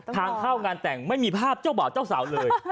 ทางเข้างานแต่งไม่มีภาพเจ้าบ่าวเจ้าสาวเลย